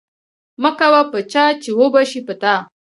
مکوه په چا چی اوبشی په تا